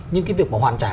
nhưng cái việc mà hoàn trả